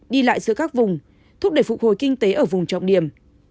đi lại giữa các vùng thúc đẩy phục hồi kinh tế ở vùng trọng điểm